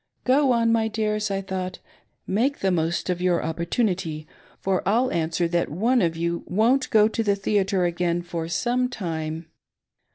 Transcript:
Go on, my dears, I thought; make the most of your opportunity for. I'll answer that otze of you won'* go to the theatre again for, some time.